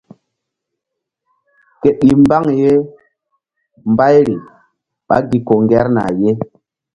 Ke ɗi mbaŋ ye mbayri ɓá gi ko ŋgerna ye.